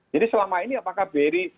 selama ini apakah bri